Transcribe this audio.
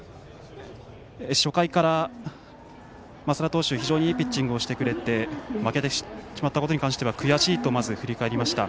初回から増田投手、非常にいいピッチングをしてくれて負けてしまったことに関しては悔しいと、まず振り返りました。